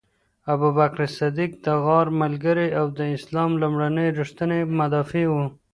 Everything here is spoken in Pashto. ابوبکر صدیق د غار ملګری او د اسلام لومړنی ریښتینی مدافع و.